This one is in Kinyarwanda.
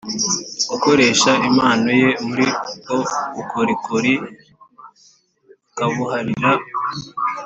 gukoresha impano ye muri ubwo bukorikori akabuharira